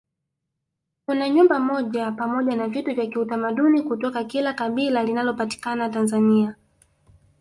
kuna nyumba pamoja na vitu vya kiutamaduni kutoka kila kabila linalopatikana tanzania